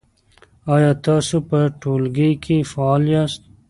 آیا تاسو په ټولګي کې فعال یاست؟